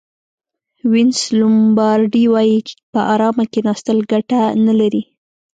وینس لومبارډي وایي په ارامه کېناستل ګټه نه لري.